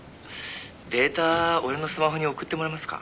「データ俺のスマホに送ってもらえますか？」